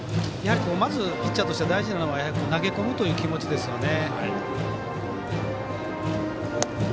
まず、ピッチャーとしては大事なのは投げ込むという気持ちですよね。